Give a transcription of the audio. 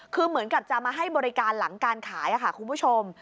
คือเหมือนกับจะมาให้บริการหลังการขายค่ะคุณผู้ชม